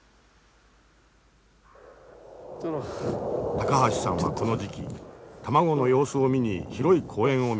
高橋さんはこの時期卵の様子を見に広い公園を見回る。